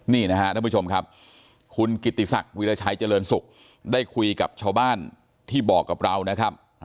นี่นะครับท่านผู้ชมครับคุณกิติศักดิ์วิราชัยเจริญสุขได้คุยกับชาวบ้านที่บอกกับเรานะครับ